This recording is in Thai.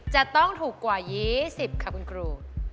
จะต้องถูกกว่า๒๐ค่ะคุณครู